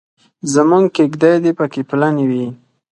زموږ کېږدۍ دې پکې پلنې وي.